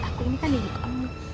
aku ini kan ingat